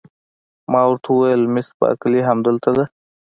ما ورته وویل: مس بارکلي همدلته ده؟